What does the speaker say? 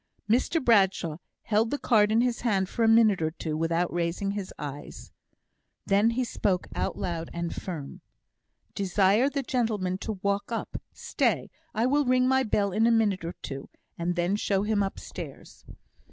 Mr Bradshaw held the card in his hand for a minute or two without raising his eyes. Then he spoke out loud and firm: "Desire the gentleman to walk up. Stay! I will ring my bell in a minute or two, and then show him upstairs."